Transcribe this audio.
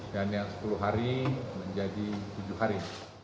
dan yang sepuluh hari menjadi tujuh hari